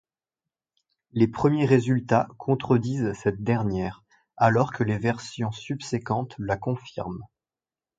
Les premiers résultats contredisent cette dernière, alors que les versions subséquentes la confirment.